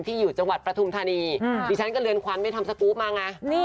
ที่อยู่จังหวัดประธุมธานีไอ้ฉันก็เลือนขวัญไปทำสกูบมาไง